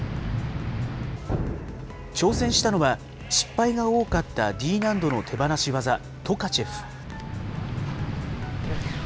挑戦したのは、失敗が多かったＤ難度の手放し技、トカチェフ。